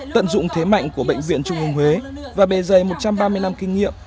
tận dụng thế mạnh của bệnh viện trung ương huế và bề dày một trăm ba mươi năm kinh nghiệm